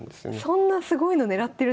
そんなすごいの狙ってるんですね